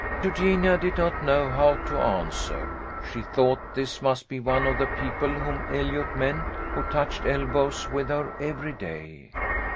Eugenia did not know how to answer. She thought this must be one of the people whom Eliot meant, who touched elbows with her every day.